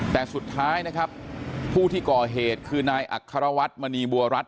แต่สุดท้ายผู้ที่กอเหตุคือนายอัคคารวัตต์มณีบัวรัส